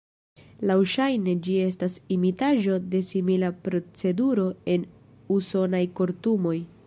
Laŭŝajne ĝi estas imitaĵo de simila proceduro en usonaj kortumoj.